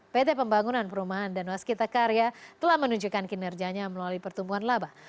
pt pembangunan perumahan dan waskita karya telah menunjukkan kinerjanya melalui pertumbuhan laba